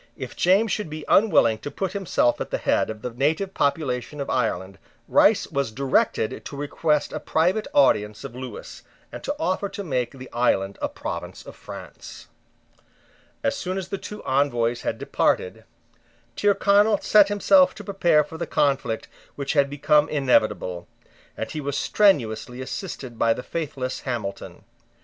If James should be unwilling to put himself at the head of the native population of Ireland, Rice was directed to request a private audience of Lewis, and to offer to make the island a province of France, As soon as the two envoys had departed, Tyrconnel set himself to prepare for the conflict which had become inevitable; and he was strenuously assisted by the faithless Hamilton.